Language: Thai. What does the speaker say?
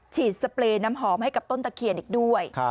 สเปรย์น้ำหอมให้กับต้นตะเคียนอีกด้วย